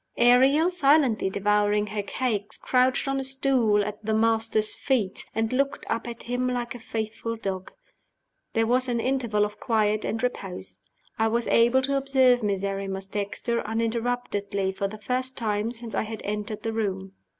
Ariel, silently devouring her cakes, crouched on a stool at "the Master's" feet, and looked up at him like a faithful dog. There was an interval of quiet and repose. I was able to observe Miserrimus Dexter uninterruptedly for the first time since I had entered the room.